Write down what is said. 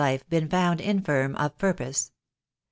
life, been found infirm of purpose.